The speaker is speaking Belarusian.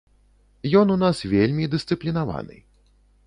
Ён у нас вельмі дысцыплінаваны.